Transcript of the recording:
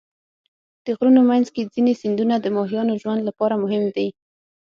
د غرونو منځ کې ځینې سیندونه د ماهیانو ژوند لپاره مهم دي.